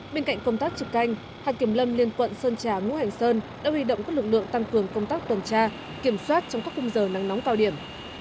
bên cạnh công tác trực canh hàng kiểm lâm liên quận sơn trà ngũ hành sơn đã huy động các lực lượng tăng cường công tác tuần tra kiểm soát trong các cung giờ nắng nóng cao điểm